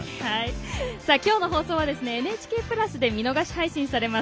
今日の放送は「ＮＨＫプラス」で見逃し配信されます。